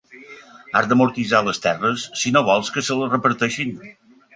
Has d'amortitzar les terres si no vols que se les reparteixin.